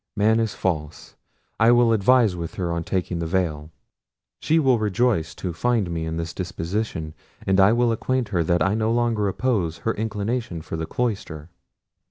Man is false—I will advise with her on taking the veil: she will rejoice to find me in this disposition; and I will acquaint her that I no longer oppose her inclination for the cloister."